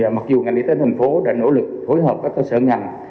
mặc dù ngành y tế thành phố đã nỗ lực phối hợp các cơ sở ngành